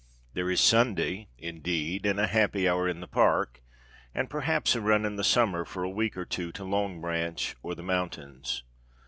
There is Sunday, indeed, and a happy hour in the Park, and perhaps a run in the summer for a week or two to Long Branch or the mountains.